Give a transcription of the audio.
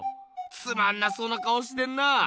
つまんなそうな顔してんな。